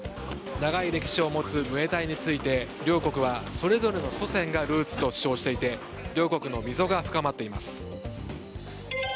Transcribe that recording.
長い歴史を持つムエタイについて両国はそれぞれの祖先がルーツと主張していて両国の溝が深まっています。